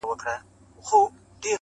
حجرې ته یم راغلې طالب جان مي پکښي نسته،